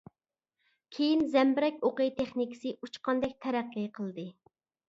كىيىن زەمبىرەك ئوقى تېخنىكىسى ئۇچقاندەك تەرەققىي قىلدى.